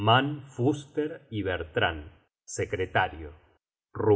Man' Fuster y Bertran, Secretario.